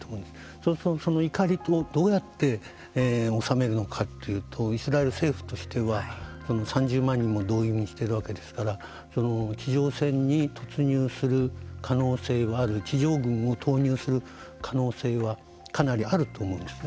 そうすると、その怒りをどうやって収めるのかというとイスラエル政府としては３０万人も動員しているわけですから地上戦に突入する可能性は地上軍を投入する可能性はかなりあると思うんですね。